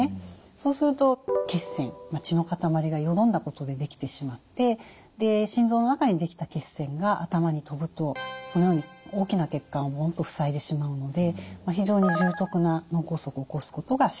そうすると血栓血の塊がよどんだことで出来てしまってで心臓の中に出来た血栓が頭に飛ぶとこのように大きな血管を塞いでしまうので非常に重篤な脳梗塞を起こすことが知られています。